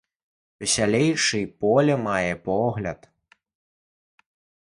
Весялейшы й поле мае погляд.